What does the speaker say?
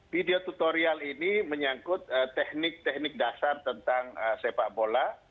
video tutorial ini menyangkut teknik teknik dasar tentang sepak bola